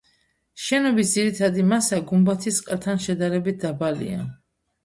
შენობის ძირითადი მასა გუმბათის ყელთან შედარებით დაბალია.